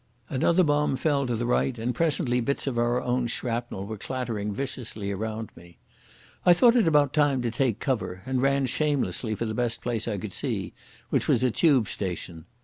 Another bomb fell to the right, and presently bits of our own shrapnel were clattering viciously around me. I thought it about time to take cover, and ran shamelessly for the best place I could see, which was a Tube station.